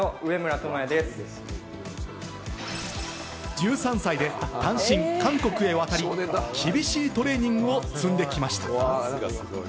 １３歳で単身韓国へ渡り、厳しいトレーニングを積んできました。